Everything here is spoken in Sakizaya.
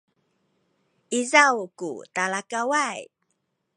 izaw ku talakaway